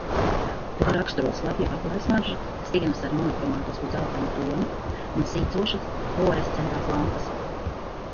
To raksturo slapja paklāja smarža, sienas ar monohromatisku dzeltenu toni un sīcošas fluorescentās lampas.